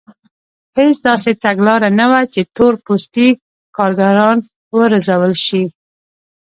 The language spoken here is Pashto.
هېڅ داسې تګلاره نه وه چې تور پوستي کارګران وروزل شي.